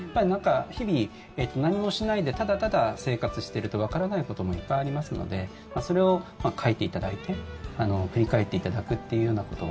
日々、何もしないでただただ生活しているとわからないこともいっぱいありますのでそれを書いていただいて振り返っていただくというようなこと。